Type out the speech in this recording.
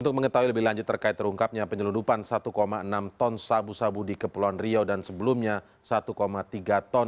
untuk mengetahui lebih lanjut terkait terungkapnya penyelundupan satu enam ton sabu sabu di kepulauan riau dan sebelumnya satu tiga ton